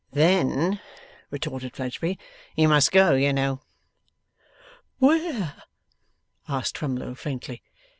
'Then,' retorted Fledgeby, 'you must go, you know.' 'Where?' asked Twemlow, faintly.